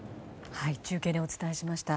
中継でお伝えしました。